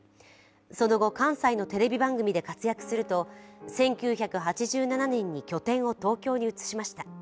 その後、関西のテレビ番組で活躍すると１９８７年に拠点を東京に移しました。